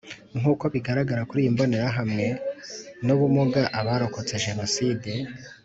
Nk uko bigaragara kuri iyi mbonerahamwe no ubumuga Abarokotse Jenoside